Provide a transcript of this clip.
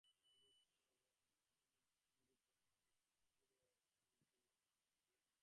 আমাদের সমগ্র আধুনিক সঙ্গীতে নানাবিধ সুরের তালগোল পাকাইয়া গিয়াছে।